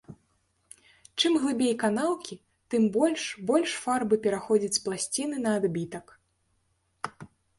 Чым глыбей канаўкі, тым больш больш фарбы пераходзіць з пласціны на адбітак.